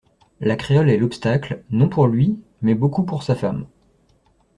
La créole est l'obstacle, non pour lui, mais beaucoup pour sa femme.